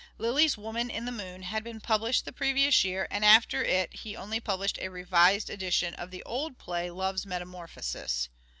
Lyly's " Woman in the Moon " had been published the previous year, and after it he only published a revised edition of the old play, " Love's Metamorphosis."